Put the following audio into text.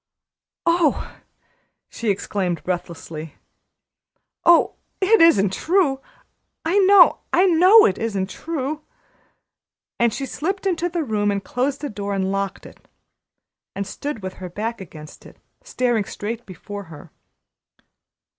"Oh!" she exclaimed breathlessly. "Oh! it isn't true! I know, I know it isn't true!" And she slipped into the room and closed the door and locked it, and stood with her back against it, staring straight before her.